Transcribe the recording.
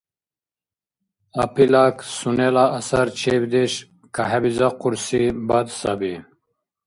Апилак – сунела асарчебдеш кахӀебизахъурси БАД саби.